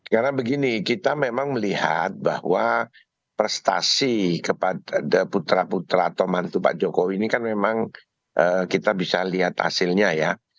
karena begini kita memang melihat bahwa prestasi kepada putra putra atau mantu pak jokowi ini kan memang kita bisa lihat hasilnya ya